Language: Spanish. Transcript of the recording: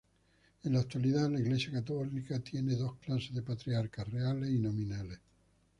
En la actualidad, la Iglesia católica tiene dos clases de patriarcas: reales y nominales.